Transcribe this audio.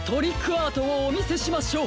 アートをおみせしましょう！